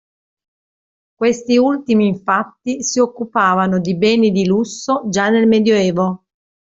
Questi ultimi infatti si occupavano di beni di lusso già dal Medioevo.